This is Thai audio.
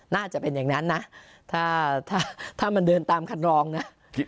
น่าจะเป็นอย่างนั้นนะถ้าถ้ามันเดินตามคันรองนะ